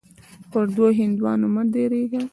پر دوو هندوانو مه درېږه.